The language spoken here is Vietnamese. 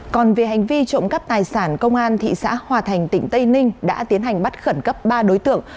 còn về hành vi trộm cắp tài sản công an thị xã hòa thành tỉnh tây ninh đã tiến hành bắt khẩn cấp ba đối tượng